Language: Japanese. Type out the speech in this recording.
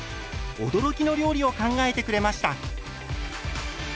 驚きの料理を考えてくれました。